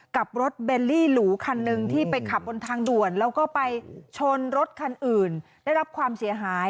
กับรถเบลลี่หลูคันหนึ่งที่ไปขับบนทางด่วนแล้วก็ไปชนรถคันอื่นได้รับความเสียหาย